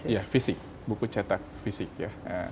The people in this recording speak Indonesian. iya fisik buku cetak fisik ya